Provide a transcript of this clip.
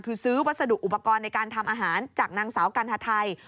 คือซื้อวัสดุอุปกรณ์ในการทำอาหารจากนางสาวกัณฑไทย